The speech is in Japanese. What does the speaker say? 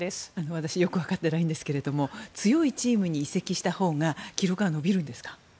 私よくわかってないんですが強いチームに移籍したほうが記録は伸びるんですか？